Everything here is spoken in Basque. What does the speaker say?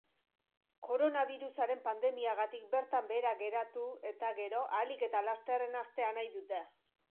Koronabirusaren pandemiagatik bertan behera geratu eta gero ahalik eta lasterren hastea nahi dute.